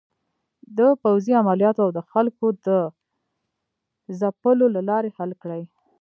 د پوځې عملیاتو او د خلکو د ځپلو له لارې حل کړي.